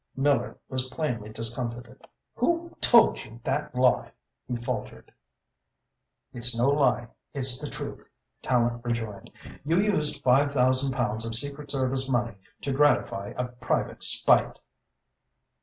Miller was plainly discomfited. "Who told you that lie?" he faltered. "It's no lie it's the truth," Tallente rejoined. "You used five thousand pounds of secret service money to gratify a private spite."